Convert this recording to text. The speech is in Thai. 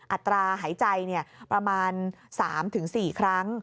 อัตราหายใจประมาณ๓๔ครั้ง